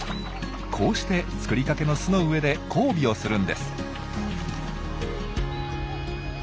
こうして作りかけの巣の上で交尾をするんです。